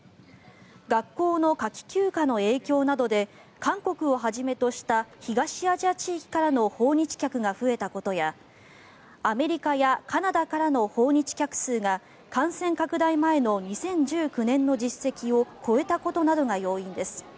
学校の夏季休暇の影響などで韓国をはじめとした東アジア地域からの訪日客が増えたことやアメリカやカナダからの訪日客数が感染拡大前の２０１９年の実績を超えたことなどが要因です。